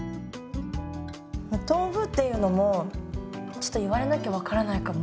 豆腐っていうのもちょっと言われなきゃ分からないかも。